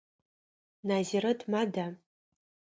Назирэт мада?